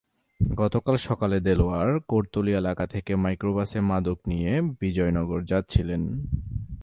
গতকাল সকালে দেলোয়ার কৌড়তলী এলাকা থেকে মাইক্রোবাসে মাদক নিয়ে বিজয়নগরে যাচ্ছিলেন।